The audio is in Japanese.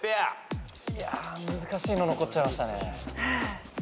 難しいの残っちゃいましたね。